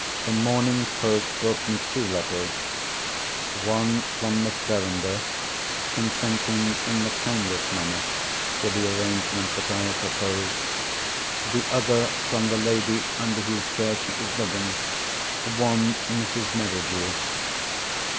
The morning's post brought me two letters. One from Miss Verinder, consenting, in the kindest manner, to the arrangement that I have proposed. The other from the lady under whose care she is living—one Mrs. Merridew.